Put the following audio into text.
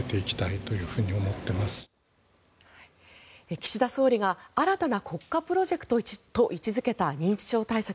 岸田総理が新たな国家プロジェクトと位置付けた認知症対策。